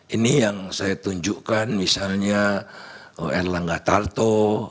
ini yang saya tunjukkan misalnya erlangga tarto